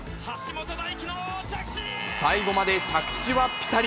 最後まで着地はぴたり。